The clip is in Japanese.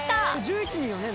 １１人よね？